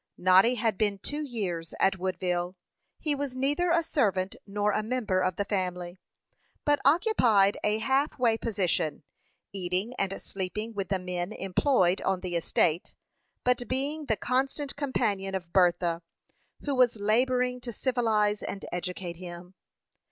Noddy had been two years at Woodville. He was neither a servant nor a member of the family, but occupied a half way position, eating and sleeping with the men employed on the estate, but being the constant companion of Bertha, who was laboring to civilize and educate him.